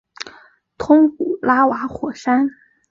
通古拉瓦火山。